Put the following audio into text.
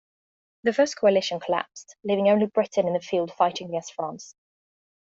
The First Coalition collapsed, leaving only Britain in the field fighting against France.